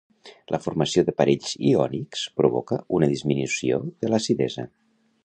La formació de parells iònics provoca una disminució de l'acidesa.